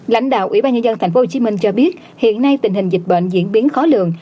lãnh đạo ủy ban nhân dân tp hcm cho biết hiện nay tình hình dịch bệnh diễn biến khó lường